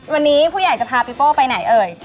วันนี้ผู้ใหญ่จะพาปีโป้ไปไหนเอ่ย